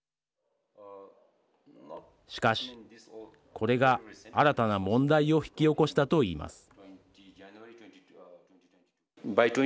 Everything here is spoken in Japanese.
しかし、これが新たな問題を引き起こしたといいます。